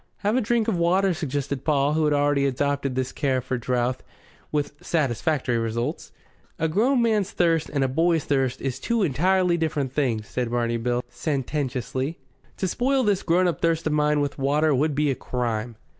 "Have a drink of water," suggested Paul, who had already adopted this care for drouth, with satisfactory results. "A grown man's thirst and a boy's thirst is two entirely different things," said Barney Bill sententiously. "To spoil this grown up thirst of mine with water would be a crime."